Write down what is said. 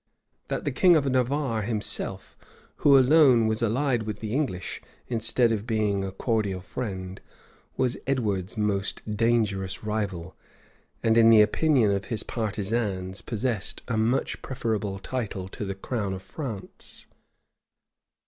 That the king of Navarre himself, who alone was allied with the English, instead of being a cordial friend, was Edward's most dangerous rival, and, in the opinion of his partisans, possessed a much preferable title to the crown of France.